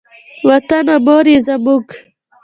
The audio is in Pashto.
وطنه مور یې زموږ.